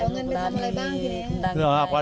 เงินทำอะไรบ้างไว้